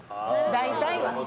大体は。